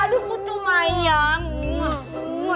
aduh putu mayang